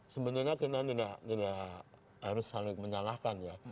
sebenarnya kita tidak harus saling menyalahkan ya